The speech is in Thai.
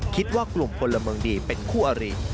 คิดว่ากลุ่มพลเมืองดีเป็นคู่อริ